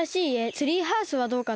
ツリーハウスはどうかな？